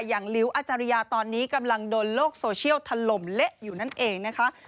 ลิ้วอาจารยาตอนนี้กำลังโดนโลกโซเชียลถล่มเละอยู่นั่นเองนะคะ